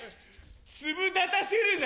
ツブ立たせるな！